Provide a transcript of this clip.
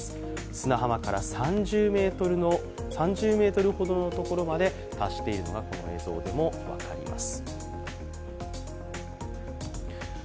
砂浜から３０ｍほどのところまで達しているのがこの映像でも分かります。